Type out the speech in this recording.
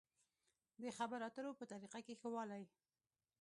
د خبرو اترو په طريقه کې ښه والی.